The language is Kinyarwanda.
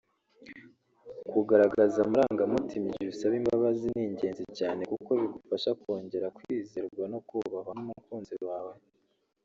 Kugaragaza amarangamutima igihe usaba imbaza n’ingenzi cyane kuko bigufasha kongera kwizerwa no kubahwa n’umukunzi wawe